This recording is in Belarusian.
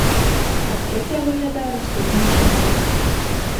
Адкрытая выглядае наступным чынам.